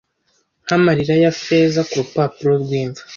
nka marira ya feza kurupapuro rwimva